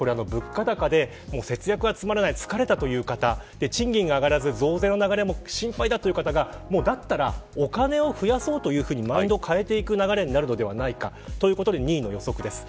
物価高で節約はつまらない疲れたという方賃金が上がらず増税の流れも心配という方がお金を増やそうというマインドに変わっていく流れになるのではないかということで２位の予測です。